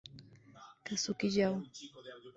Kazuki Yao